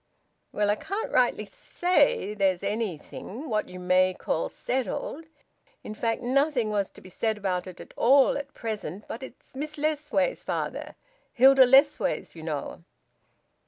"Well, I can't rightly say there's anything what you may call settled. In fact, nothing was to be said about it at all at present. But it's Miss Lessways, father Hilda Lessways, you know."